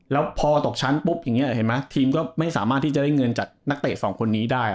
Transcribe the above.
แล้วพอตกชั้นปุ๊บอย่างนี้เห็นไหมทีมก็ไม่สามารถที่จะได้เงินจากนักเตะสองคนนี้ได้